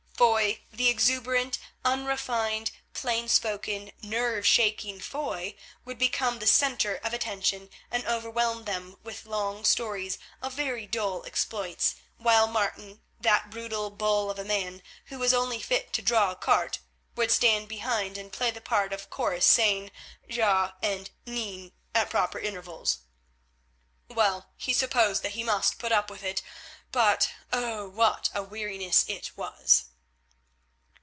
Foy, the exuberant, unrefined, plain spoken, nerve shaking Foy, would become the centre of attention, and overwhelm them with long stories of very dull exploits, while Martin, that brutal bull of a man who was only fit to draw a cart, would stand behind and play the part of chorus, saying "Ja" and "Neen" at proper intervals. Well, he supposed that he must put up with it, but oh! what a weariness it was.